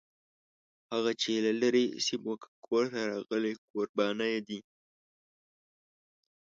هغه چې له لرې سیمو کانکور ته راغلي کوربانه یې دي.